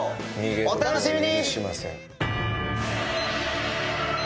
お楽しみに！